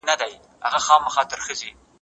د اوږدې مودې ورزش بدن تکړه کوي.